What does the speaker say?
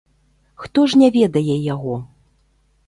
Хто ж не ведае яго?